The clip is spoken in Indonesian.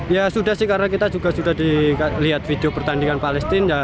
ya sudah sih karena kita juga sudah dilihat video pertandingan palestina